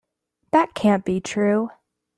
That can't be true.